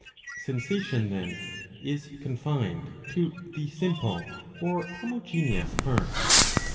'^ Sensation then is confined to the simple or homogeneous parts.